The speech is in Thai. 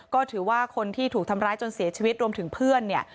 ก็ถือว่าคนที่ถูกทำร้ายจนเสียชีวิตรวมถึงเพื่อนเนี่ย